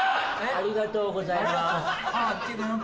ありがとうございます。